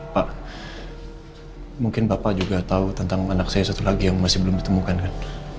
pak mungkin bapak juga tahu tentang anak saya satu lagi yang masih belum ditemukan kan